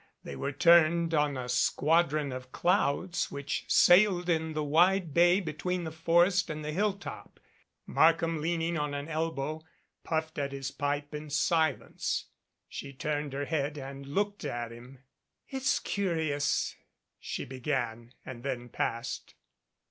They were turned on a squadron of clouds which sailed in the wide bay between the forest and the hilltop. Markham, leaning on an el bow, puffed at his pipe in silence. She turned her head and looked at him. "It's curious " she began, and then paused.